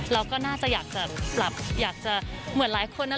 เราก็น่าจะอยากจะหลับอยากจะเหมือนหลายคนนะ